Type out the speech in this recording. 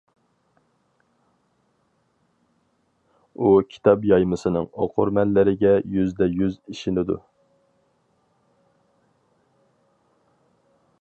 ئۇ كىتاب يايمىسىنىڭ ئوقۇرمەنلىرىگە يۈزدە يۈز ئىشىنىدۇ.